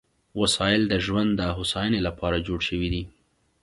وسایل د ژوند د هوساینې لپاره جوړ شوي دي.